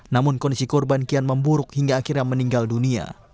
namun kondisi korban kian memburuk hingga akhirnya meninggal dunia